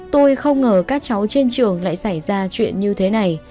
tôi không ngờ các cháu trên trường lại xảy ra chuyện như thế này